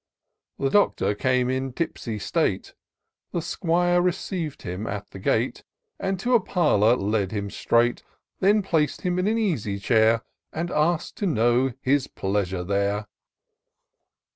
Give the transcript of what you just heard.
66 TOUR OF DOCTOR SYNTAX The Doctor came in tipsy state ; The 'Squire receiv'd him at the gate, And to a parlour led him straight ; Then plac'd him in an easy chair^ And ask'd to know his pleasure there.